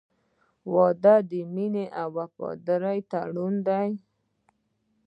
• واده د مینې او وفادارۍ تړون دی.